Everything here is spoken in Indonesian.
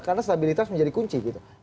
karena stabilitas menjadi kunci gitu